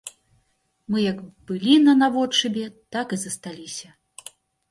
Мы як былі на наводшыбе, так і засталіся.